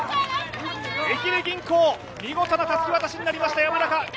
愛媛銀行、見事なたすき渡しになりました山中。